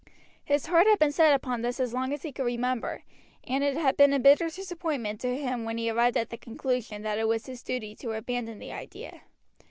His heart had been set upon this as long as he could remember, and it had been a bitter disappointment to him when he had arrived at the conclusion that it was his duty to abandon the idea.